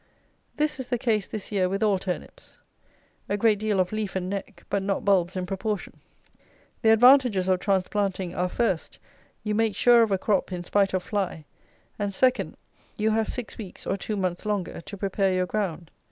This is the case this year with all turnips. A great deal of leaf and neck, but not bulbs in proportion. The advantages of transplanting are, first, you make sure of a crop in spite of fly; and, second, you have six weeks or two months longer to prepare your ground.